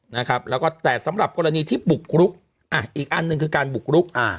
นะครับแล้วก็แต่สำหรับกรณีที่บุกรุกอ่ะอีกอันหนึ่งคือการบุกรุกอ่า